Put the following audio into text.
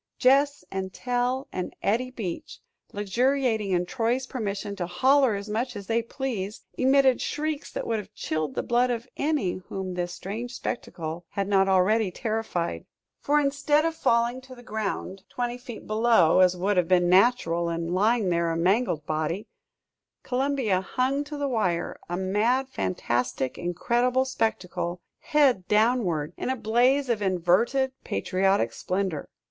Gess and Tell and Eddie Beach, luxuriating in Troy's permission to "holler as much as they pleased," emitted shrieks that would have chilled the blood of any whom this strange spectacle had not already terrified. For, instead of falling to the ground twenty feet below, as would have been natural, and lying there, a mangled body, Columbia hung to the wire, a mad, fantastic, incredible spectacle, head downward, in a blaze of inverted patriotic splendor!